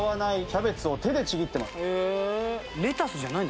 レタスじゃないの？